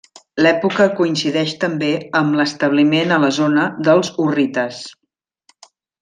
L'època coincideix també amb l'establiment a la zona dels hurrites.